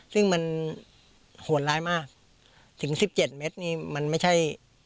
ซึ่งมันโหดร้ายมากถึง๑๗เมตรนี่มันไม่ใช่